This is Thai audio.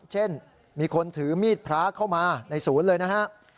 เช่นมีคนถือมีดพระเข้ามาในศูนย์เลยนะฮะ